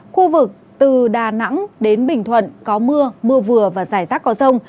khu vực từ đà nẵng đến bình thuận có mưa mưa vừa và rải rác có rông